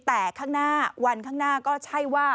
แต่ข้างหน้าวันข้างหน้าก็ใช่ว่า